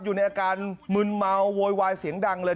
อยู่ในอาการมึนเมาโวยวายเสียงดังเลย